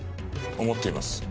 思っています。